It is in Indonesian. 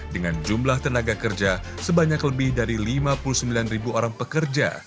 dengan jumlah tenaga kerja sebanyak lebih dari lima puluh sembilan orang pekerja